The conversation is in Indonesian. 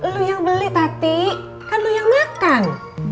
lo yang beli tadi kan lo yang makan